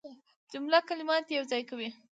جمله کلمات یوځای کوي.